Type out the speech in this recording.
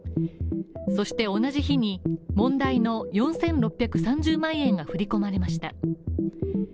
そして同じ日に、問題の４６３０万円が振り込まれました。